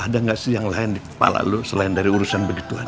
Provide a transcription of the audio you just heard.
ada nggak sih yang lain di kepala lo selain dari urusan begituan